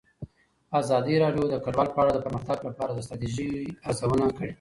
ازادي راډیو د کډوال په اړه د پرمختګ لپاره د ستراتیژۍ ارزونه کړې.